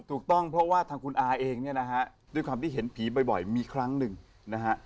ถูกต้องเพราะว่าทางคุณอาเองเนี่ยนะฮะด้วยความที่เห็นผีบ่อยมีครั้งหนึ่งนะฮะ